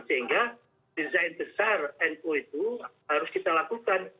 sehingga desain besar nu itu harus kita lakukan